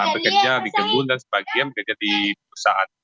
bekerja di kebun dan sebagian bekerja di perusahaan